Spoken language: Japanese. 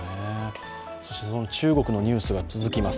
その中国のニュースが続きます。